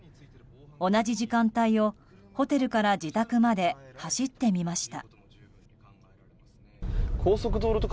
同じ時間帯をホテルから自宅まで走ってみました。